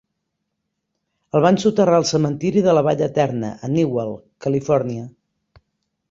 El van soterrar al Cementiri de la vall eterna a Newhall, Califòrnia.